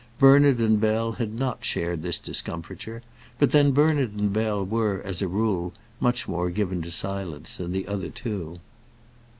Bernard and Bell had not shared this discomfiture, but then Bernard and Bell were, as a rule, much more given to silence than the other two.